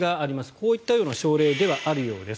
こういったような症例ではあるようです。